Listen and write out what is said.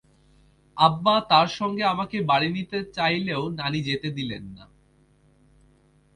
আব্বা তাঁর সঙ্গে আমাকে বাড়ি নিতে চাইলেও নানি যেতে দিলেন না।